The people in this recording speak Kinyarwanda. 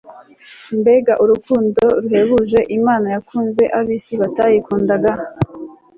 Mbeg urukundo ruhebujlmana yakunz abisi batayikundaga